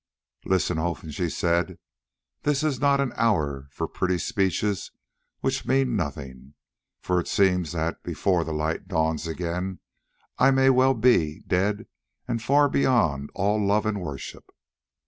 "Listen, Olfan," she said, "this is not an hour for pretty speeches which mean nothing, for it seems that before the light dawns again I may well be dead and far beyond all love and worship.